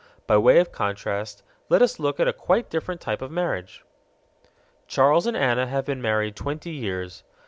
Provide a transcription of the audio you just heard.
By way of contrast let us look at a quite different type of marriage. Charles and Anna have been married twenty years.